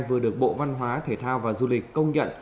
vừa được bộ văn hóa thể thao và du lịch công nhận